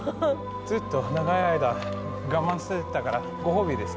ずっと長い間我慢してたからご褒美です。